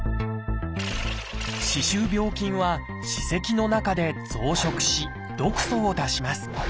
歯周病菌は歯石の中で増殖し毒素を出します。